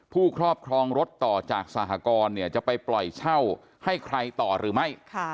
ครอบครองรถต่อจากสหกรณ์จะไปปล่อยเช่าให้ใครต่อหรือไม่